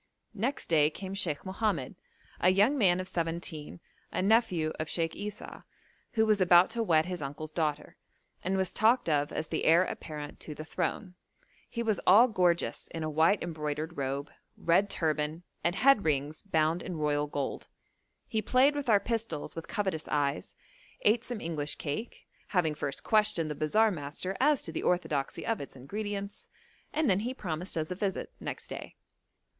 Next day came Sheikh Mohammed, a young man of seventeen, a nephew of Sheikh Esau, who was about to wed his uncle's daughter, and was talked of as the heir apparent to the throne; he was all gorgeous in a white embroidered robe, red turban, and head rings bound in royal gold. He played with our pistols with covetous eyes, ate some English cake, having first questioned the bazaar master as to the orthodoxy of its ingredients, and then he promised us a visit next day.